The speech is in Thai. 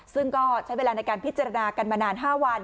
ซึ่งก็ใช้เวลาในการพิจารณากันมานาน๕วัน